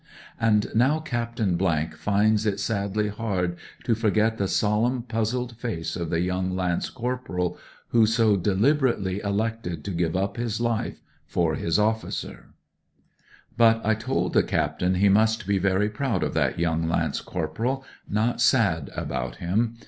THE SOUTH AFRICAN 217 And now Captain finds it sadly hard to forget t^^e solemn, puzzled face of the young lance corporal who so deli berately elected to give up his life for his officer. But I told the captain he must be very proud of that young lance corporal, not sad about him.